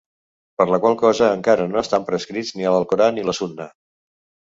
Per la qual cosa encara no estan prescits en l'Alcorà ni la Sunna.